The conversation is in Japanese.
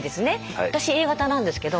私Ａ型なんですけど。